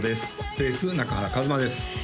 ベース中原一真です